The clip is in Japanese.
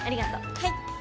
はい。